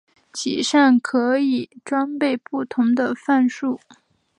其上可以装备不同的范数。